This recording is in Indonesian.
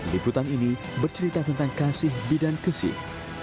liputan ini bercerita tentang kasih bidan kesih